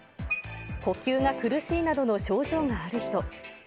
呼吸が苦しいなどの症状がある人。